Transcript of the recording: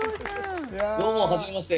どうもはじめまして。